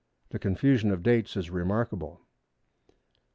The confusion of dates is remarkable.